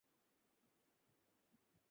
প্রেসিডেন্টের কাছ থেকে নির্দেশ এসেছে।